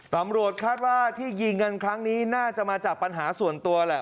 ตำรวจคาดว่าที่ยิงกันครั้งนี้น่าจะมาจากปัญหาส่วนตัวแหละ